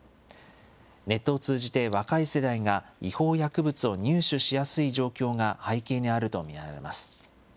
ネットを通じて若い世代が、違法薬物を入手しやすい状況が背景にあると見られます。